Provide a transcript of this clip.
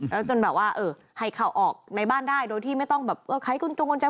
แล้วจนแบบว่าให้เขาออกในบ้านได้โดยที่ไม่ต้องแบบไข่กลุ่มตรงกนเจ้า